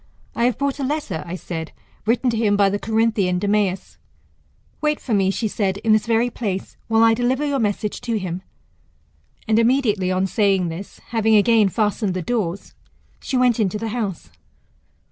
I have brought a letter, I said, written to him by the Corinthian Demeas. Wait for me, she said, in this very place, while I deliver your message to him. And immediately on saying this, having again fastened the doors, she went into the house.